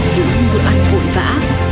những bữa ăn vội vã